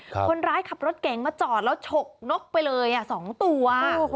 คนร้ายขับรถเกงมาจอดแล้วฉกนกไปเลยสองตัว